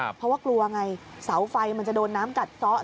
เพราะว่ากลัวไงเสาไฟมันจะโดนน้ำกัดซะ